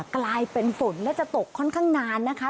กลายเป็นฝนและจะตกค่อนข้างนานนะคะ